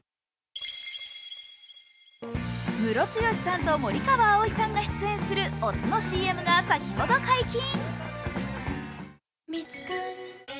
ムロツヨシさんと森川葵さんが出演するお酢のＣＭが先ほど解禁。